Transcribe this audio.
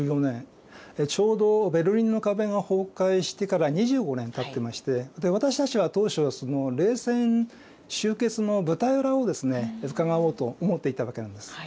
ちょうどベルリンの壁が崩壊してから２５年たってまして私たちは当初は冷戦終結の舞台裏をですねうかがおうと思っていたわけなんです。